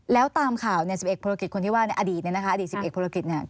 แล้วตามข่าวเนี่ย๑๑ภารกิจคนที่ว่าในอดีตเนี่ยนะคะอดีต๑๑ภารกิจเนี่ย